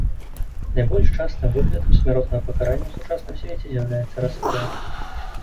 Найбольш частым выглядам смяротнага пакарання ў сучасным свеце з'яўляецца расстрэл.